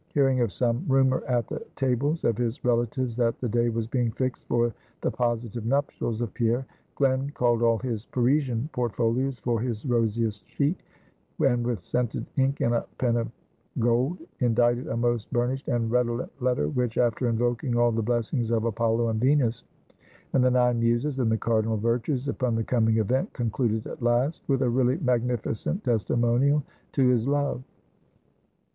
Hearing of some rumor at the tables of his relatives that the day was being fixed for the positive nuptials of Pierre; Glen called all his Parisian portfolios for his rosiest sheet, and with scented ink, and a pen of gold, indited a most burnished and redolent letter, which, after invoking all the blessings of Apollo and Venus, and the Nine Muses, and the Cardinal Virtues upon the coming event; concluded at last with a really magnificent testimonial to his love.